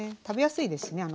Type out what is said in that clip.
食べやすいですしね